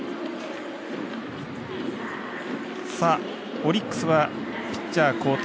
オリックスはピッチャー交代。